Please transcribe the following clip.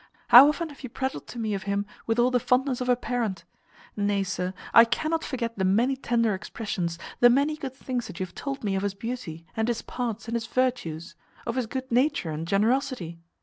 How often have you prattled to me of him with all the fondness of a parent? Nay, sir, I cannot forget the many tender expressions, the many good things you have told me of his beauty, and his parts, and his virtues; of his good nature and generosity.